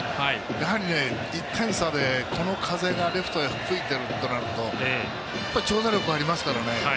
やはり、１点差でこの風がレフトに吹いてるとなると長打力ありますからね。